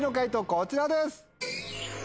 こちらです。